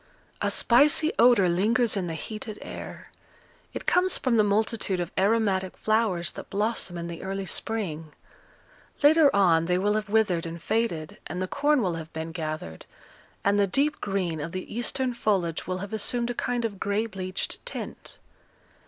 A spicy odour lingers in the heated air; it comes from the multitude of aromatic flowers that blossom in the early spring. Later on they will have withered and faded, and the corn will have been gathered, and the deep green of the eastern foliage will have assumed a kind of gray bleached tint.